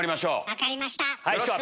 分かりました！